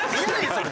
それ。